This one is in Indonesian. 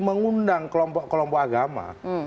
mengundang kelompok kelompok agama